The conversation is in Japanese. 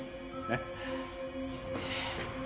えっ？